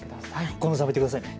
近藤さんも行ってくださいね。